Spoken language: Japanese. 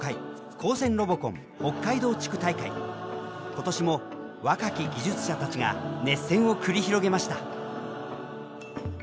今年も若き技術者たちが熱戦を繰り広げました。